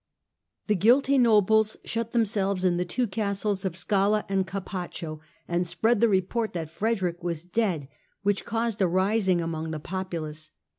The guilty nobles shut themselves in the two castles of Scala and Capaccio and spread the report that Frederick was dead, which caused a rising among the populace.